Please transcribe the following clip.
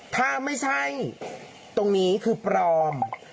ถ้าไม่ใช่ตรงนี้คือปลอม